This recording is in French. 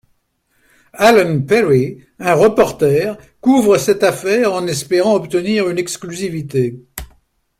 Allan Perry, un reporter, couvre cette affaire en espérant obtenir une exclusivité.